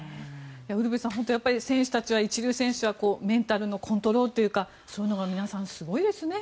ウルヴェさん、一流選手はメンタルコントロールというかそういうのが皆さんすごいです。